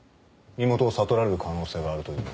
身元を悟られる可能性があるというのに。